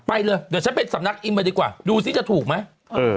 ไปเลยเดี๋ยวฉันไปสำนักอิมไปดีกว่าดูซิจะถูกไหมเออ